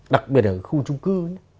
đặc biệt là khu trung cư